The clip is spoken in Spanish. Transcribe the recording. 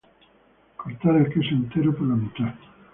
Cortar el queso entero por la mitad.